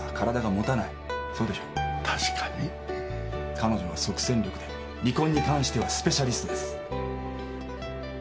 彼女は即戦力で離婚に関してはスペシャリストです。